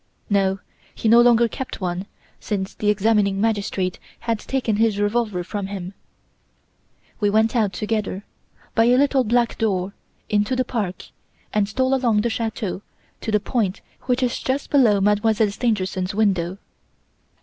No, he no longer kept one, since the examining magistrate had taken his revolver from him. We went out together, by a little back door, into the park, and stole along the chateau to the point which is just below Mademoiselle Stangerson's window.